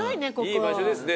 いい場所ですね